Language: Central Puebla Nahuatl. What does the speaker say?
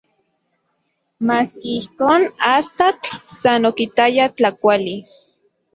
Maski ijkon, astatl san okitaya tlakuali.